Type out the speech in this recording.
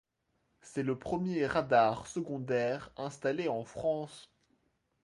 C’est le premier radar secondaire installé en France.